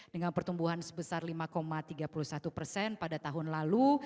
dengan pertumbuhan sebesar lima tiga puluh satu persen pada tahun lalu